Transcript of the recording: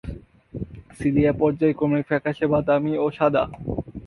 Cilia পর্যায়ক্রমে ফ্যাকাশে বাদামি ও সাদা।